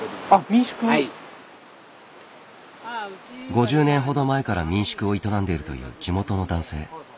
５０年ほど前から民宿を営んでいるという地元の男性。